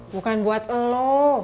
bukan buat lo